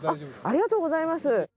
ありがとうございます。